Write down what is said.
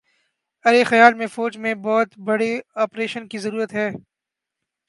ارے خیال میں فوج میں بہت بڑے آپریشن کی ضرورت ہے